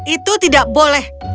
itu tidak boleh